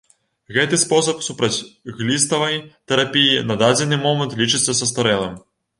Гэты спосаб супрацьгліставай тэрапіі на дадзены момант лічыцца састарэлым.